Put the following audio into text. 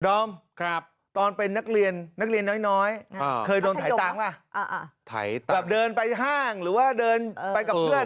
อมตอนเป็นนักเรียนนักเรียนน้อยเคยโดนถ่ายตังค์ป่ะแบบเดินไปห้างหรือว่าเดินไปกับเพื่อน